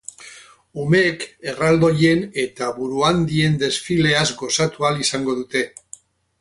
Umeek erraldoien eta buruhandien desfileaz gozatu ahal izango dute.